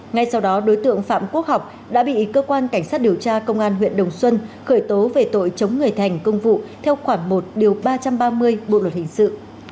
ngay sau đó đối tượng phạm quốc học đã bị cơ quan cảnh sát điều tra công an huyện đồng xuân khởi tố về tội chống người thành công vụ theo khoản một điều ba trăm ba mươi bộ luật hình sự